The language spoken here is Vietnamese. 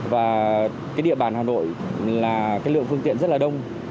và cái địa bàn hà nội là cái lượng phương tiện rất là đông